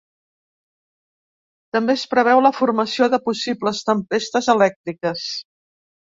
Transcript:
També es preveu la formació de possibles tempestes elèctriques.